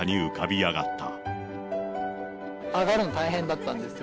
上がるの大変だったんですよ。